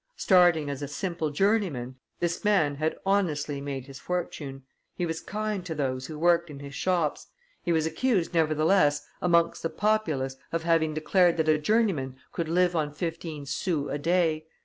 Starting as a simple journeyman, this man had honestly made his fortune; he was kind to those who worked in his shops: he was accused, nevertheless, amongst the populace, of having declared that a journeyman could live on fifteen sous a day.